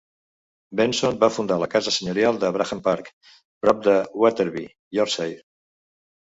Benson va fundar la casa senyorial de Bramham Park, prop de Wetherby, Yorkshire.